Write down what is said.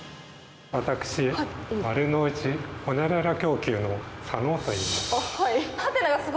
私、丸の内ほにゃらら供給の佐野といいます。